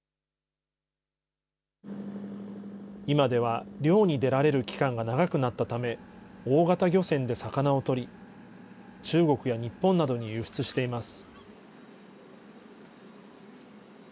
今では、漁に出られる期間が長くなったため、大型漁船で魚を取り、中国や日本などに輸出しています。